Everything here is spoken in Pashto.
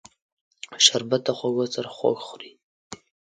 شربت د خوږو سره خوږ خوري